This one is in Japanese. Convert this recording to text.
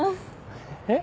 えっ？